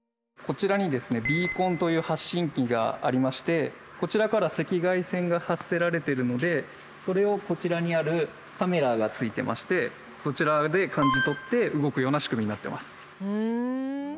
こちらにですね「ビーコン」という発信器がありましてこちらから赤外線が発せられてるのでそれをこちらにあるカメラがついてましてそちらで感じ取って動くような仕組みになってます。